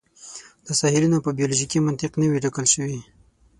دا ساحلونه په بیولوژیکي منطق نه وې ټاکل شوي.